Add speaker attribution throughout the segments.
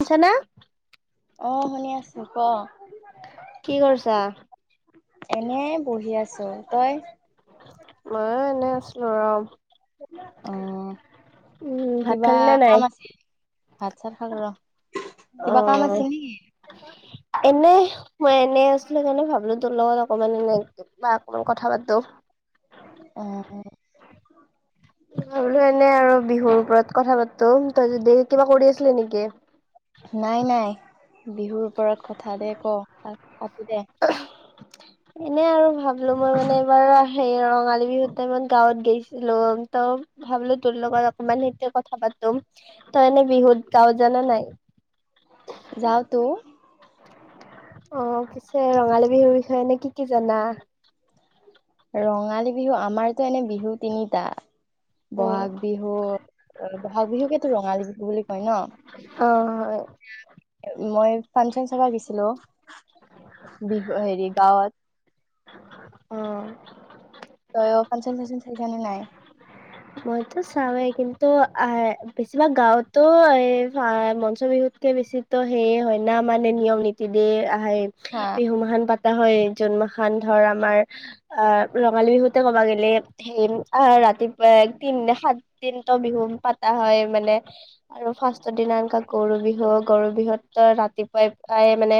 Speaker 1: শুনিছা না?
Speaker 2: আহ, শুনি আছোঁ, ক?
Speaker 1: কি কৰিছা?
Speaker 2: এনে বহি আছোঁ। তই?
Speaker 1: মই এনে আছিলোঁ ৰম।
Speaker 2: অ,
Speaker 1: উম, ভাত
Speaker 2: কিবা
Speaker 1: খালি নে নাই?
Speaker 2: কাম আছিল? ভাত চাত খালোঁ ৰহ।
Speaker 1: অ, এনে মই এনে আছিলে কাৰণে ভাবিলোঁ। তোৰ লগত অকমান এনে বা অকমান কথা পাতোঁ।
Speaker 2: অ [inaudible]
Speaker 1: মই বুলো এনে আৰু বিহুৰ ওপৰত কথা পাতোঁ তই যদি কিবা কৰি আছিলি নেকি?
Speaker 2: নাই নাই বিহুৰ ওপৰত কথাদে ক তাক? কেতিয়া?
Speaker 1: এনে আৰু ভাবিলোঁ মই মানে এইবাৰ সেই ৰঙালী বিহু টাইমত গাঁৱত গৈছোঁ ছিলো, তো ভাবিলোঁ তোৰ লগত অকমান সেইতি কথা পাতোঁ। তই এনে বিহুত গাওঁ জানা নাই
Speaker 2: যাওতো।
Speaker 1: অ' পিছে ৰঙালী বিহুৰ বিষয়ে এনে কি কি জানা?
Speaker 2: ৰঙালী বিহু আমাৰতো এনে বিহু তিনিটা।
Speaker 1: উম,
Speaker 2: বহাগ বিহু বহাগ বিহুকেতটো ৰঙালী বিহু বুলি কয় ন?
Speaker 1: অ' হয়।
Speaker 2: মই ফাংচন চাবা গৈছিলোঁ। বিহু হেৰি গাঁৱত।
Speaker 1: অ।
Speaker 2: ফাঞ্চন-চাচন চাইচা নে নাই?
Speaker 1: মইতো চাওঁৱেই। কিন্তু এ বেছিভাগ গাঁৱতো এই মঞ্চ বিহুত। তকে বেছি সেইয়ে হয় না মানে নিয়ম নীতি দে আহে
Speaker 2: হা
Speaker 1: বিহু মহান পাত। এ, হয় জুন মা খান ধৰ আমাৰ আহ ৰঙালী বিহুতে ক'বা গ'লে সেই ৰাতি। এ দিন, সাত দিনতো বিহু পতা হয়, মানে আৰু ফাৰ্ষ্ট দিনা গৰু ৰু বিহু গৰু বিহুত ৰাতিপুৱাই প্ৰায় মানে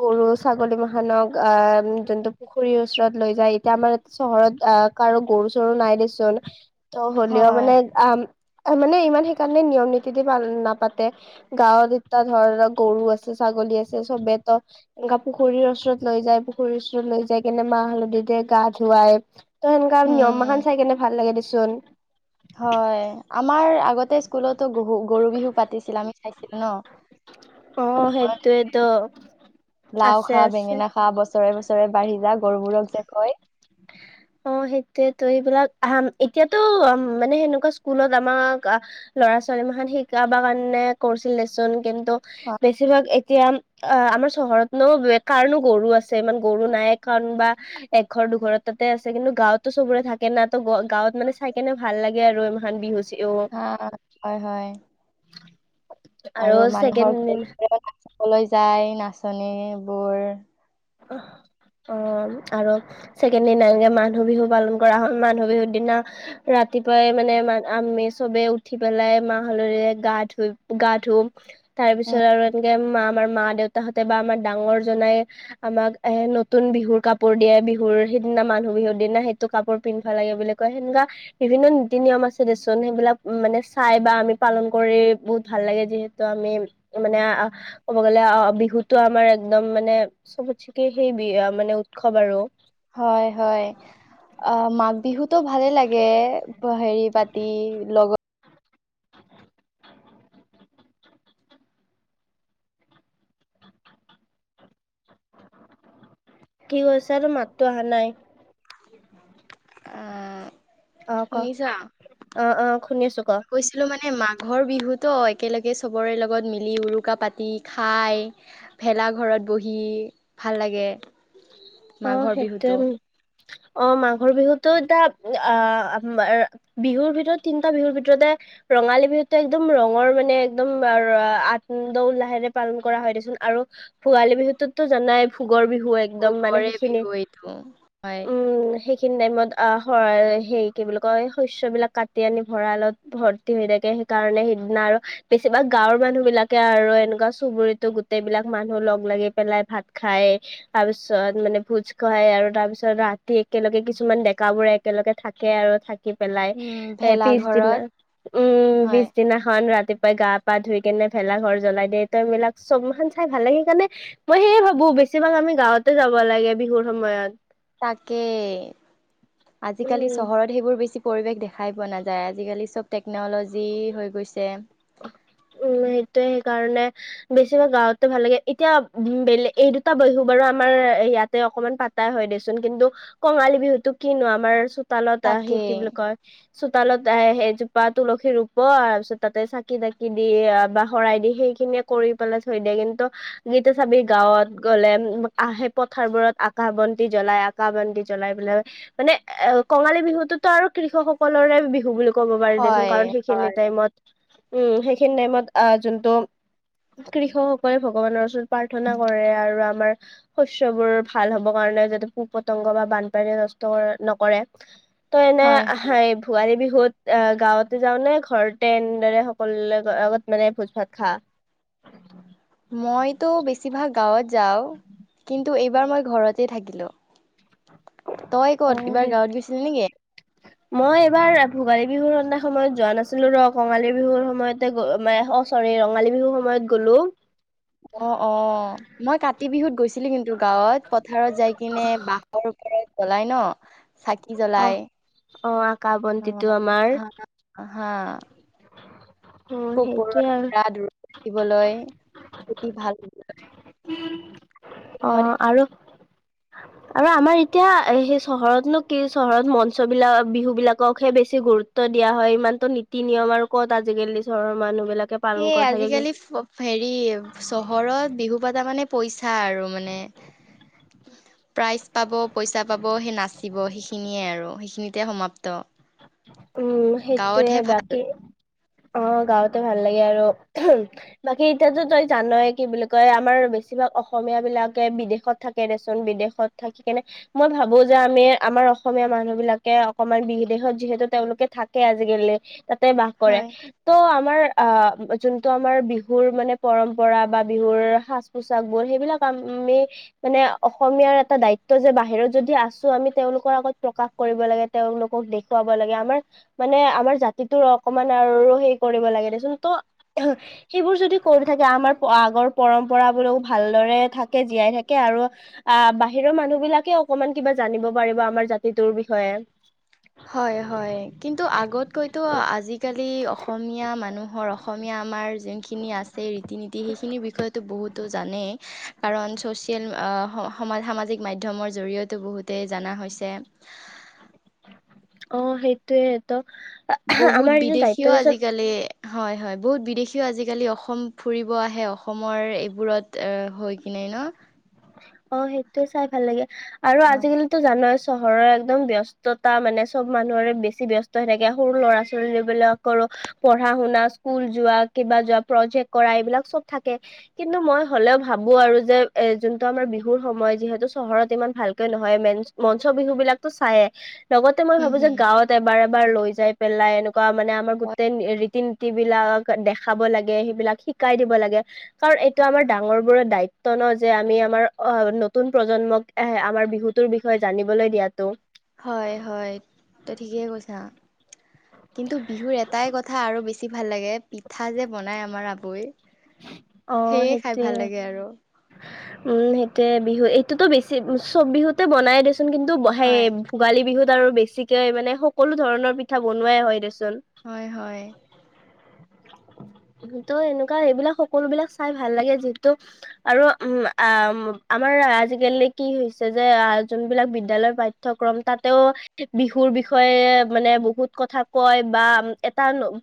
Speaker 1: গৰু ছাগলী মানক আহ যোনটো পুখুৰীৰ ওচৰত লৈ যায় এতিয়া আমাৰ চহৰত আহ কাৰো গৰু চৰু নাই দেচোন। ত, হ'লেও
Speaker 2: হয়
Speaker 1: মানে আ মানে ইমান সেইকাৰণে নিয়ম নীতি দি ভাল নাপাতে গাঁৱত এতিয়া ধৰ গৰু আছে, ছাগলী আছে চব তো পুখুৰীৰ ওচৰত লৈ যায়, পুখুৰীৰ ওচৰত লৈ যায়, কেনে মাহ হালধিতে গা ধুৱাই ত' সেনেকা নিয়ম
Speaker 2: উম
Speaker 1: মখন চাই কেনে ভাল লাগে দেচোন।
Speaker 2: হয়, আমাৰ আগতে স্কুলতো গৰু গৰু বিহু পাতিছিল আমি চাইছিলো ন।
Speaker 1: অ,
Speaker 2: আমাৰ
Speaker 1: সেইটোৱেতো।
Speaker 2: লাও খা বেঙেনা খা বছৰে বছৰে বাঢ়ি যা গৰুবোৰক যে কয়
Speaker 1: অ সেইটোয়েতো এইবিলাক এতিয়াতো মানে সেনেকুৱা স্কুলত আমাক ল'ৰা ছোৱালী মাখান শিকাব কাৰণে কৰিছিল দেচোন কিন্তু
Speaker 2: হা,
Speaker 1: বেছিভাগ এতিয়া অ আমাৰ চহৰত ন কাৰণো গৰু আছে ইমান গৰু নাই কাৰণ বা একঘৰ দুঘৰত আছে কিন্তু গাঁৱতো চবৰে থাকে না ত গাঁৱত মানে চাই কেনে ভাল লাগে আৰু এই মাখান বিহু চিশু
Speaker 2: হয় হয় আৰু মানুহৰ ঘৰ নাচাবলৈ যায় নাচনীবোৰ
Speaker 1: অ অ আৰু ছেকেণ্ড দিনা মানুহ বিহু পালন কৰা হয় মানুহ বিহুৰ দিনা ৰাতি ৰাতিপুৱাই মানে আমি চবে উঠি পেলাই মাহ হালধিৰে গা ধই গা ধু তাৰ
Speaker 2: উম,
Speaker 1: পিছত আৰু এনেকে মা আমাৰ মা দেউতাহঁতে বা আমাৰ ডাঙৰ জনাই আমাক এ নতুন বিহুৰ কাপোৰ দিয়ে বিহুৰ সিদিনা মানুহ বিহুৰ দিনা সেইটো কাপোৰ পিন্ধবা লাগে বুলি সেনেকুৱা বিভিন্ন নীতি নিয়ম আছে দেচোন সেইবিলাক মানে চাই বা আমি পালন কৰি বহুত ভাল লাগে যিহেতু আমি মানে ক'ব গ'লে অ বিহুতো আমাৰ একদম মানে চবত চেকে সেই বি মানে উৎসৱ আৰু
Speaker 2: হয় হয় অ মাঘ বিহুটো ভালে লাগে হেৰি পাতি লগত
Speaker 1: কি কৈছ তোৰ মাততো অহা নাই
Speaker 2: আ
Speaker 1: অ কওঁ অ অ শুনি আছো ক
Speaker 2: কৈছিলো মানে মাঘৰ বিহুতো একেলগে চবৰে লগত মিলি উৰুকা পাতি খাই ভে ভেলা ঘৰত বহি ভাল লাগে
Speaker 1: অ
Speaker 2: মাঘৰ
Speaker 1: সেইটো
Speaker 2: বিহুটো
Speaker 1: অ মাঘৰ বিহুটো এতিয়া আ বিহুৰ ভিতৰত তিনটা বিহুৰ ভিতৰতে ৰঙালী বিহুতো একদম ৰঙৰ মানে একদম আনন্দ উল্লাহেৰে পালন কৰা হৈ দে চোন আৰু ভোগালী বিহুততো জানাই ভোগৰ বিহু একদম মানে
Speaker 2: ভোগৰে
Speaker 1: সেইখিনি
Speaker 2: বিহু এইটো হয়
Speaker 1: উম সেইখিনি টাইমত অ সে কি বুলি কয় শস্যবিলাক কাটি আনি ভঁৰালত ভৰ্তি হৈ থাকে সেইকাৰণে সেইদিনা আৰু বেছিভাগ গাঁৱৰ মানুহ বিলাকে আৰু এনেকুৱা চুবুৰিটো গোটেই বিলাক মানুহ লগ লাগি পেলাই ভাত খাই তাৰ পিছত মানে ভোজ খুৱাই আৰু তাৰ পিছত ৰাতি একেলগে কিছুমান ডেকাবোৰে একেলগে থাকে আৰু পেলাই
Speaker 2: উম
Speaker 1: এ পিছদিনা
Speaker 2: ভেলাঘৰত
Speaker 1: উম
Speaker 2: হয়
Speaker 1: পিছদিনাখন ৰাতি ই গা পা ধুই কেনে ভেলা ঘৰ জ্বলাই দিয়ে তই বিলাক চব মান চাই ভাল লাগ সেইকাৰণে মই সেয়ে ভাবো বেছিভাগ আমি গাওঁতে যাব লাগে বিহুৰ সময়ত
Speaker 2: তাকে আজিকালি
Speaker 1: উম
Speaker 2: চহৰত সেইবোৰ বেছি পৰিৱেশ দেখাই পোৱা নাযায় আজিকালি চব টেকন'লজি হৈ গৈছে
Speaker 1: উম সেইটোয়ে কাৰণে বেছিভাগ গাঁৱতে ভাল লাগে এতিয়া উ বেলেগ এই দুটা বিহু বাৰু আমাৰ ইয়াতে অকমান পাতা হয় দেচোন কিন্তু কঙালী বিহুতো কিনো আমাৰ চোতালত আহি সি কি
Speaker 2: তাকেই
Speaker 1: বুলি কয় চোতালত সেই জোপা তুলসী ৰুব তাৰ পিছত তাতে কিবা কিবি দি বা শৰাই দি সেইখিনিয়ে কৰি পেলাই থৈ দিয়ে কিন্তু গীতো চাবি গাওঁত গ'লে সেই পথাৰ বোৰত আকাশ বন্তি জ্বলাই আকাশ বন্তি জ্বলাই পেললে মানে কঙালী বিহুতোতো আৰু কৃষক সকলৰে বিহু বুলি ক'ব পাৰি দেচোন
Speaker 2: হয়
Speaker 1: কাৰণ সেইখিনি
Speaker 2: হয়
Speaker 1: টাইমত উম সেইখিনি টাইমত আ যোনটো কৃষক সকলে ভগৱানৰ ওচৰত প্ৰাৰ্থনা কৰে আৰু আমাৰ শস্যবোৰ ভাল হ'ব কাৰণে যাতে পোক পতংগ বা বানপানী নষ্ট নকৰে ত এনে
Speaker 2: হয়
Speaker 1: ভোগালী বিহুত অ গাঁৱতে যাওঁ নে ঘৰতে এনেদৰে কৰি আগত মানে ভোজ ভাত খা
Speaker 2: মইতো বেছিভাগ গাঁৱত যাওঁ কিন্তু এইবাৰ মই ঘৰতে থাকিলো। তই
Speaker 1: অ
Speaker 2: ক'ত এইবাৰ
Speaker 1: সেই
Speaker 2: গাঁৱত গৈছিলি নেকি
Speaker 1: মই এইবাৰ ভোগালী বিহুৰ দিনা খন মই যোৱা নাছিলো ৰ কঙালী বিহুৰ সময়তে গ মানে অ চৰি ৰঙালী বিহু সময়ত গ'লো
Speaker 2: অ অ মই কাতি বিহুত গৈছিলো আছিলি কিন্তু গাঁৱত পথাৰত যাই কিনে বাঁহৰ ওপৰত জ্বলাই ন চাকি
Speaker 1: অ
Speaker 2: জ্বলাই
Speaker 1: অ আকাশ
Speaker 2: অ
Speaker 1: বন্তিটো আমাৰ
Speaker 2: হা হা
Speaker 1: অ
Speaker 2: পোক
Speaker 1: সেইটোয়ে আৰু
Speaker 2: পৰুৱা দূৰত ৰাখিবলৈ খেতি ভাল
Speaker 1: অ
Speaker 2: সময়ত
Speaker 1: আৰু আৰু আমাৰ এতিয়া সেই চহৰতনো কি চহৰত মঞ্চ বিলাক বিহু বিলাককহে বেছি গুৰুত্ব গুৰুত্ব দিয়া হয় ইমানতো নীতি নিয়ম আৰু ক'ত আজিকালি চহৰৰ মানুহ বিলাকে পালন
Speaker 2: সেই
Speaker 1: কৰি থাকে
Speaker 2: আজিকালি হেৰি চহৰত বিহু পাতা মানে। পইচা আৰু মানে
Speaker 1: [inaudible]
Speaker 2: প্ৰাইজ পাব পইচা পাব সেই নাচিব সেইখিনিয়ে আৰু সেইখিনিতে সমাপ্ত
Speaker 1: উম সেইটোয়ে
Speaker 2: গাঁৱতহে ভাল
Speaker 1: বাকী অ গাঁৱত ভাল লাগে আৰু বাকী এতিয়াতো তই জানয় কি বুলি কয় আমাৰ বেছিভাগ অসমীয়া বুলি বিলাকে বিদেশত থাকে দেচোন বিদেশত থাকি কেনে মই ভাবো যে আমি আমাৰ অসমীয়া মানুহ বিলাক অকমান বিদেশত যিহেতু তেওঁলোকে থাকে আজিকালি তাতে বাস কৰে
Speaker 2: হয়
Speaker 1: ত যোনটো আমাৰ বিহুৰ মানে পৰম্পৰা বা বিহুৰ সাজ পোচাক বোৰ সেইবিলাক আমি মানে অসমীয়াৰ এটা দায়িত্ব যে বাহিৰত যদি আছো আমি তেওঁলোকৰ আগত প্ৰকাশ কৰ কৰিব লাগে তেওঁলোকক দেখুৱাব লাগে আমাৰ মানে আমাৰ জাতিটো অকমান আৰু হে কৰিব লাগে দেচোন ত সেইবোৰ যদি কৰি থাকে আমাৰ আগৰ পৰম্পৰাবোৰও ভালদৰে থাকে জীয়াই থাকে আৰু আহ বাহিৰৰ মানুহ বিলাকে অকমান কিবা জানিব পাৰিব আমাৰ জাতিটোৰ বিষয়ে
Speaker 2: হয় হয় কিন্তু আগতকৈতো আজিকালি অসমীয়া মানুহ নুহৰ অসমীয়া আমাৰ যোনখিনি আছে ৰীতি নীতি সেইখিনিৰ বিষয়তো বহুত টো জানেই কাৰণ ছ'চিয়েল সম সামাজিক মাধ্যমৰ জৰিয়তে বহুতেই জনা হৈছে
Speaker 1: অ সেইটোয়ে ত
Speaker 2: বহুত
Speaker 1: আমাৰ এইটো দায়িত্ব
Speaker 2: বিদেশীও
Speaker 1: দেচোন
Speaker 2: আজিকালি হয় হয় বহুত বিদেশীও আজিকালি অসম ফুৰিব আহে অসমৰ এইবোৰত হৈ কিনে ন ন
Speaker 1: অ সেইটোয়ে চাই ভাল লাগে আৰু আজিকালিটো জানাইচোন চহৰৰ একদম ব্যস্ততা মানে চব মানুহৰে বেছি ব্যস্ত হৈ থাকে সৰু ল'ৰা ছোৱালীবিলাক আকৌ পঢ়া শুনা স্কুল যোৱা কিবা যোৱা প্ৰজেক্ট কৰা এইবিলাক চব থাকে কিন্তু মই হ হ'লেও ভাবো আৰু যে এ যোনটো আমাৰ বিহুৰ সময়, যিহেতু চহৰত ইমান ভালকে নহয় মেঞ্চ মঞ্চ বিহু বিলাকো চায়েই লগতে মই
Speaker 2: হুম
Speaker 1: ভাবো যে
Speaker 2: হুম
Speaker 1: গাঁৱত এবাৰ এবাৰ লৈ যাই পেলাই এনেকুৱা মানে আমাৰ
Speaker 2: হয়
Speaker 1: গোটেই ৰীতি নী তিবিলাক দেখাব লাগে, সেইবিলাক শিকাই দিব লাগে কাৰণ এইটো আমাৰ ডাঙৰ বোৰৰ দায়িত্ব ন যে আমি আমাৰ অ নতুন প্ৰজন্মক, এ আমাৰ বিহুতৰ বিষয়ে জানিবলৈ দিয়াতো।
Speaker 2: হয় হয় তই ঠিকে কৈছা। কিন্তু বিহুৰ এটাই কথা আৰু বেছি ভাল লাগে পিঠা যে বনাই আমাৰ আৱৈ।
Speaker 1: অ সেইটোয়ে।
Speaker 2: আৰু
Speaker 1: উম, সেইটোৱে বিহু এইটোতো বেছি চব বিহুতে বনাই দেচোন কিন্তু সেই
Speaker 2: হয়
Speaker 1: ভোগালী বিহুত আৰু বেছিকে মানে সকলো ধৰণৰ পিঠা বনোৱাই হয় দে।
Speaker 2: হয় হয়।
Speaker 1: ত এনে কা এইবিলাক সকলোবিলাক চাই ভাল লাগে যিহেতু আৰু উম আ আমাৰ আজিকালি কি হৈছে যে যোনবিলাক বিদ্যালয় পাঠ্যক্ৰমসমূহৰ তাতেও বিহুৰ বিষয়ে মানে বহুত কথা কয় বা এটা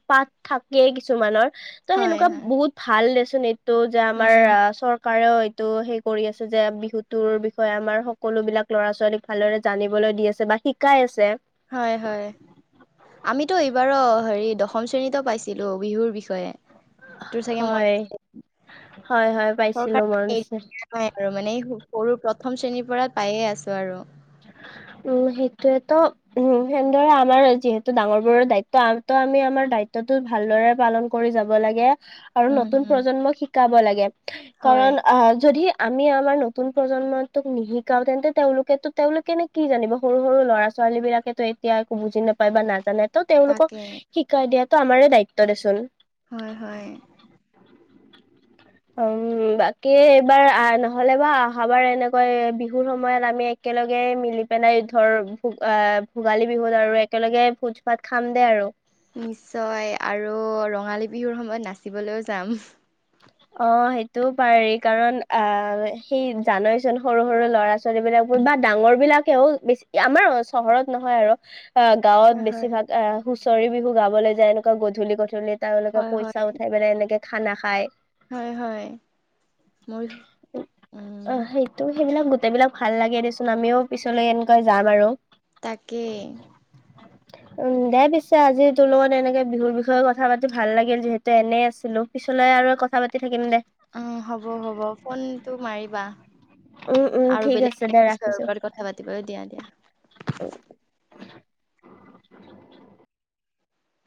Speaker 1: পাঠ থাকে কিছুমানৰ ত'
Speaker 2: হয়
Speaker 1: সেনেকুৱা
Speaker 2: হয়।
Speaker 1: বহুত ভাল দেচোন এইটো যে
Speaker 2: উম
Speaker 1: আমাৰ আ
Speaker 2: হুম
Speaker 1: চৰকাৰেও টো সেই কৰি আছে যে বিহুতোৰ বিষয়ে আমাৰ সকলো বিলাক ল'ৰা -ছোৱালীক ভালদৰে জানিবলৈ দি আছে বা শিকাই আছে।
Speaker 2: হয় হয়। আমিতো এইবাৰ হেৰি দশম শ্ৰেণীত পাইছিলো বিহুৰ বিষয়ে। তোৰ চাগে মৰ
Speaker 1: হয় হয় হয় পাইছিলো মনত
Speaker 2: চৰকাৰে এৰি
Speaker 1: আছে।
Speaker 2: দিয়া নাই আৰু মানে সৰু প্ৰথম শ্ৰেণীৰ পৰা পায়ে আছো আৰু।
Speaker 1: [unintelligible] উম সেইটোয়েতো, উম সেনেদৰে আমাৰ যিহেতু ডাঙৰবোৰৰ দায়িত্ব আমত আমি আমাৰ দায়িত্ব দায়িত্বতো ভালদৰে পালন কৰি যাব লাগে। আৰু
Speaker 2: উম
Speaker 1: নতুন
Speaker 2: হম
Speaker 1: প্ৰজন্মক শিকাব লাগে,
Speaker 2: হয়
Speaker 1: কাৰণ আহ যদি আমি আমাৰ নতুন প্ৰজন্মটোক নিশিকাও তেন্তে তেওঁলোকেতো তেওঁলোকে নে কি জানিব সৰু সৰু ল'ৰা- ছোৱালী বিলাকেতো এতিয়া একো বুজি নাপায় বা নাজানে ত
Speaker 2: তাকে
Speaker 1: তেওঁলোকক শিকাই দিয়াটো আমাৰ দায়িত্ব দেচোন।
Speaker 2: হয় হয়
Speaker 1: [unintelligible] উম বাকী এইবাৰ নহলে বা অহাবাৰ এনেকৈ বিহুৰ সময়ত আমি একেলগে মিলি পেলাই ধৰ ভো আহ ভোগালী বিহুত আৰু একেলগে ভোজ ভাত খাম দে আৰু।
Speaker 2: নিশ্চয় আৰু ৰঙালী বিহুৰ সময়ত নাচিবলৈও যাম।
Speaker 1: অ সেইটোও পাৰি কাৰণ আহ সেই জানইচোন সৰু সৰু ল'ৰা - ছোৱালীবিলাক বা ডাঙৰ বিলাকেও বেছি আমাৰ চহৰত নহয় আৰু। অ
Speaker 2: হয়
Speaker 1: গাঁৱত
Speaker 2: হয়
Speaker 1: বেছি ভাগ, আহ হুঁচৰি বিহু গাবলৈ যায় এনেকুৱা গধূলি গধূলিত। তেওঁলোকে
Speaker 2: হয় হয়
Speaker 1: পইচা উঠাই পেনে এনেকে খানা খায়।
Speaker 2: হয় হয় মোৰ উম
Speaker 1: অ সেইটো সেইবিলাক গোটেইবিলাক ভাল লাগে দেচোন আমিও পিছলৈ এনেকৈ যাম আৰু।
Speaker 2: তাকে।
Speaker 1: [unintelligible] উম দে পিছে আজি তোৰ লগত এনেকে বিহুৰ বিষয়ে কথা পাতি ভাল লাগিল। যিহেতু এনে আছিলো পিছলে আৰু কথা পাতি থাকিম দে।
Speaker 2: অ হ'ব হ'ব ফোনটো মাৰিবা।
Speaker 1: উম, উম,
Speaker 2: আৰু
Speaker 1: ঠিক
Speaker 2: বেলেগ
Speaker 1: আছে দে
Speaker 2: বেলেগ বিষয়ৰ
Speaker 1: ৰাখিছো।
Speaker 2: ওপৰত কথা পাতিবলৈ দিয়া দিয়া।
Speaker 1: [unintelligible]